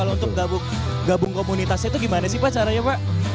kalau untuk gabung komunitasnya itu gimana sih pak caranya pak